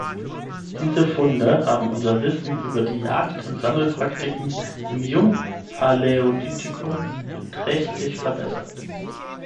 Diese Funde haben unser Wissen über die Jagd- und Sammelpraktiken im Jungpaläolithikum beträchtlich verbessert.